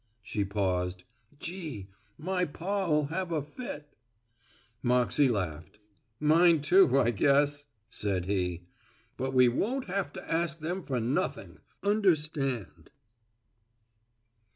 She paused. "Gee, my pa'll have a fit." Moxey laughed. "Mine too, I guess," said he, "but we won't have to ask them for nothing, understand."